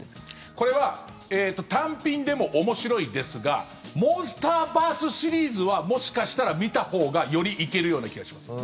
これは単品でも面白いですが「モンスターバース」シリーズはもしかしたら見たほうがより行けるような気がします。